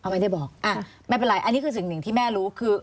ไม่ได้บอกอ่ะไม่เป็นไรอันนี้คือสิ่งหนึ่งที่แม่รู้คือ